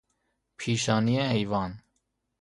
پیشانی حیوان